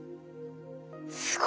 すごい。